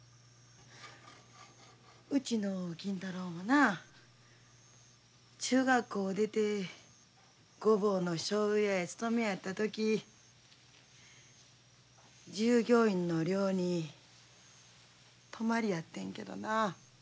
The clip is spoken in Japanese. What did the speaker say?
うちの金太郎もな中学校を出て御坊のしょうゆ屋へ勤めやった時従業員の寮に泊まりやってんけどな。